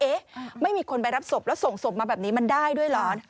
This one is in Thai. เอ๊ะไม่มีคนไปรับศพแล้วส่งศพมาแบบนี้มันได้ด้วยเหรอ